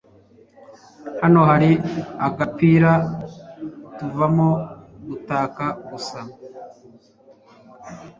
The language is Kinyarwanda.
Hano hari agapira tuvamo gutaka gusa